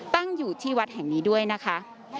ตั้งอยู่ที่วัดแห่งนี้ด้วยนะคะ